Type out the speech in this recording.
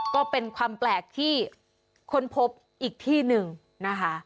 ก็เป็นความแปลกที่ค้นพบอีกที่หนึ่งนะคะ